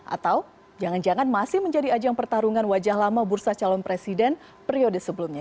atau jangan jangan masih menjadi ajang pertarungan wajah lama bursa calon presiden periode sebelumnya